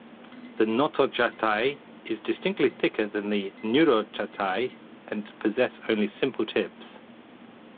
The notochaetae are distinctly thicker than the neurochaetae and possess only simple tips.